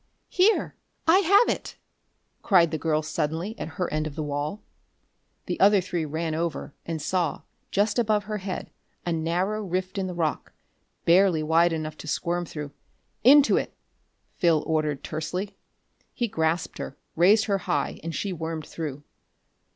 "Here! I have it!" cried the girl suddenly at her end of the wall. The other three ran over, and saw, just above her head, a narrow rift in the rock, barely wide enough to squirm through. "Into it!" Phil ordered tersely. He grasped her, raised her high, and she wormed through.